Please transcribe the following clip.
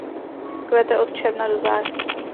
Kvete od června do září.